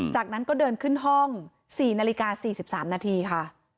จากนั้นก็เดินขึ้นห้องสี่นาฬิกาสี่สิบสามนาทีค่ะ